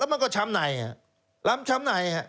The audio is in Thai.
แล้วมันก็ช้ำไหนแล้วมันช้ำไหน